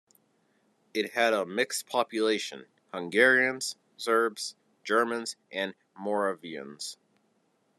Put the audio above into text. It had a mixed population, Hungarians, Serbs, Germans, and Moravians.